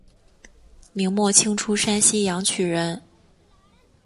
明末清初山西阳曲人。